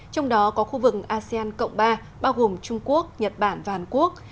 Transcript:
trong đó có khu vực asean cộng ba bao gồm trung quốc nhật bản và hàn quốc